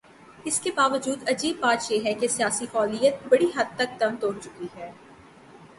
اس کے باوجود عجیب بات یہ ہے کہ سیاسی فعالیت بڑی حد تک دم توڑ چکی ہے۔